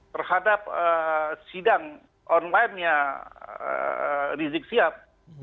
terhadap sidang online nya rizik sihab